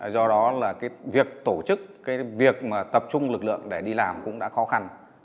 do đó là cái việc tổ chức cái việc mà tập trung lực lượng để đi làm cũng đã khó khăn